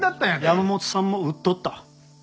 山本さんも売っとった。